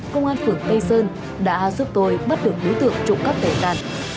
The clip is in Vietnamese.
công an phường tây sơn đã giúp tôi bắt được đối tượng trộm cắp tài sản